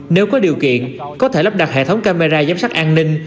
nếu có điều kiện có thể lắp đặt hệ thống camera giám sát an ninh